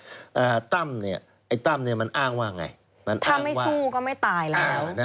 อ่าตั้มเนี่ยไอ้ตั้มเนี่ยมันอ้างว่าไงมันถ้าไม่สู้ก็ไม่ตายแล้ว